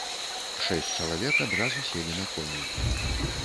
Шэсць чалавек адразу селі на коней.